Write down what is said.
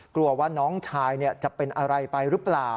กลัวว่าน้องชายจะเป็นอะไรไปหรือเปล่า